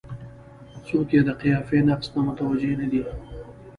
څوک یې د قافیې نقص ته متوجه نه دي.